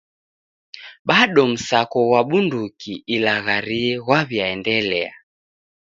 Bado msako ghwa bunduki ilagharie ghwaw'iaendelia.